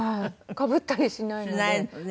かぶったりしないので。